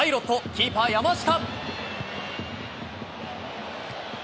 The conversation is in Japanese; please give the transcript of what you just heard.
キーパー、山下。